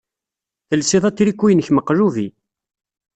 Telsiḍ atriku-inek meqlubi.